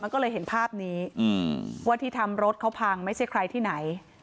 ก็เลยเห็นภาพนี้ว่าที่ทำรถเขาพังไม่ใช่ใครที่ไหน